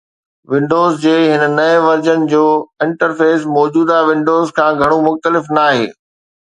windows جي هن نئين ورجن جو انٽرفيس موجوده ونڊوز کان گهڻو مختلف ناهي